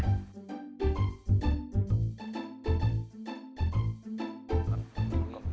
รับสมัคร